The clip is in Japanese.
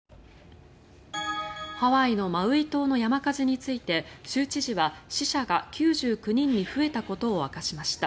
ハワイのマウイ島の山火事について州知事は死者が９９人に増えたことを明かしました。